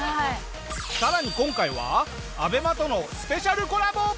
更に今回はＡＢＥＭＡとのスペシャルコラボ。